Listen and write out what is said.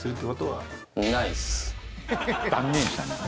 断言したね。